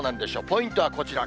ポイントはこちら。